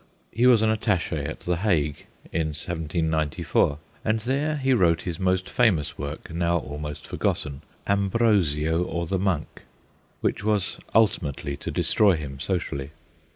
He was an attache at the Hague in 1794, and there he wrote his most famous work, now also forgotten, Ambrosio, or the Monk, which was ultimately to destroy him socially.